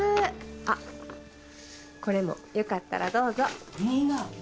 あっこれもよかったらどうぞいいが？